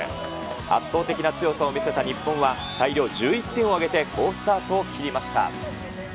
圧倒的な強さを見せた日本は、大量１１点を挙げて好スタートを切りました。